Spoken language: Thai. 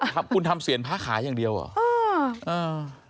ทำคุณทำเสียงพระขายอย่างเดียวเหรอ